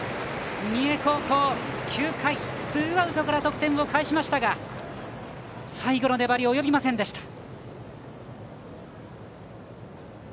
三重高校、９回ツーアウトから得点を返しましたが最後の粘り、及びませんでした。